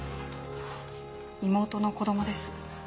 妹の子供です。